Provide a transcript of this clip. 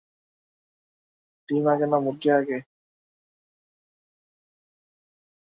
ধরা পড়া বেশির ভাগ লবস্টারের লেজের দিকের অংশে লাল ডিম লেগে আছে।